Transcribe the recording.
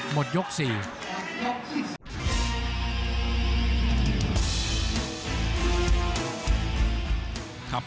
หมดยก๔